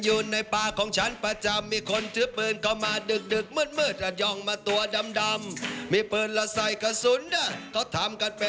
ไปฟังพร้อมกันเลยค่ะ